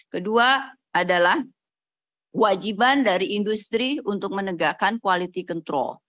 kedua adalah wajiban dari industri untuk menegakkan quality control